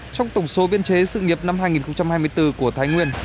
trong tổng số biên chế sự nghiệp năm hai nghìn hai mươi bốn của thái nguyên